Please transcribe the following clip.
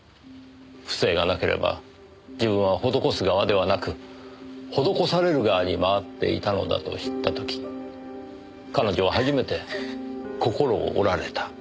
不正がなければ自分は施す側ではなく施される側に回っていたのだと知った時彼女は初めて心を折られた。